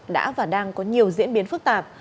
đã và đang có nhiều diễn biến phức tạp